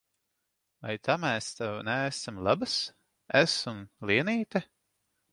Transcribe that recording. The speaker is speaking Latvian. Vai ta mēs tev neesam labas, es un Lienīte?